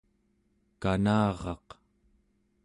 kanaraq